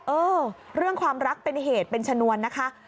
เออเรื่องความรักเป็นเหตุเป็นชนวนนะคะ